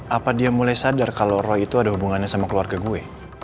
apa dia mulai sadar kalau roh itu ada hubungannya sama keluarga gue